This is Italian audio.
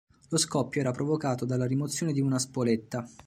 Lo scoppio era provocato dalla rimozione di una spoletta.